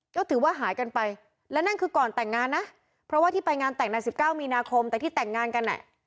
ก็ถือว่าหายกันไปและนั่นคือก่อนแต่งงานนะเพราะว่าที่ไปงานแต่งใน๑๙มีนาคมแต่ที่แต่งงานกันอ่ะ